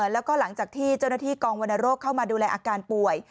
แล้วก็หลังจากที่เจ้าหน้าที่กองวรรณโรคเข้ามาดูแลอาการป่วย